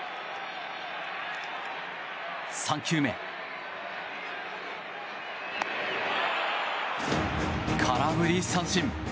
３球目、空振り三振！